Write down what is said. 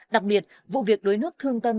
đặc biệt vụ việc đối nước thương tâm